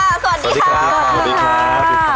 สวัสดีครับสวัสดีครับ